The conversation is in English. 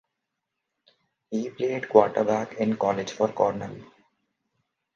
He played quarterback in college for Cornell.